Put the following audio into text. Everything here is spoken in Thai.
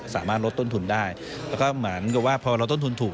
สามารถลดต้นทุนได้แล้วก็เหมือนกับว่าพอเราต้นทุนถูก